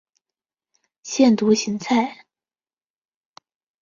腺独行菜